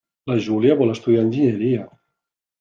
La Júlia vol estudiar enginyeria.